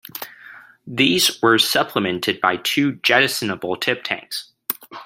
These were supplemented by two jettisonable tip tanks.